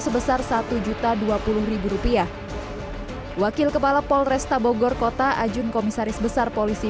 sebesar satu juta dua puluh rupiah wakil kepala polresta bogor kota ajun komisaris besar polisi